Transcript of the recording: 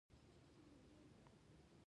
درې ورځې ورتللو ته اجازه نه وه.